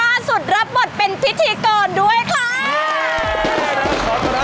ล่าสุดรับบทเป็นพิธีกรด้วยค่ะ